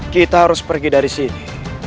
kita harus pergi dari sini